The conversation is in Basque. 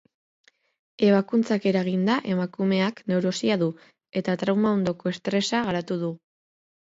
Ebakuntzak eraginda, emakumeak neurosia du eta trauma-ondoko estresa garatu du.